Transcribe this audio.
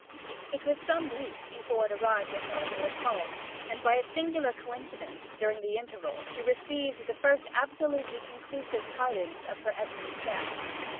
It was some weeks before it arrived at Knollingwood Hall, and, by a singular coincidence, during the interval she received the first absolutely conclusive tidings of her Edmond's death.